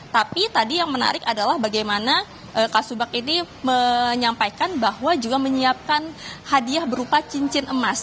tapi tadi yang menarik adalah bagaimana kasubak ini menyampaikan bahwa juga menyiapkan hadiah berupa cincin emas